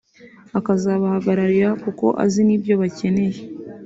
akazabahagararira koko azi n’ibyo bakeneye